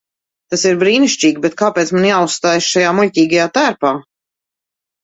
Tas ir brīnišķīgi, bet kāpēc man jāuzstājas šajā muļķīgajā tērpā?